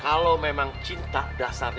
kalau menang cinta abah mau ngasih hati dia